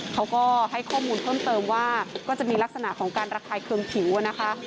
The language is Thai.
เขาก็ให้ข้อมูลเพิ่มเติมว่าก็จะมีลักษณะของการระคายเคืองผิวนะคะ